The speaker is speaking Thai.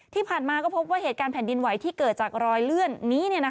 ที่ผ่านมาก็พบว่าเหตุการณ์แผ่นดินไหวที่เกิดจากรอยเลื่อนนี้